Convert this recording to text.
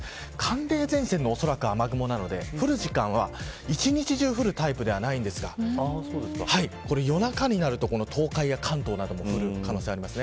寒冷前線のおそらく雨雲なので１日中降るタイプではないんですが夜中になると東海や関東など降る可能性があります。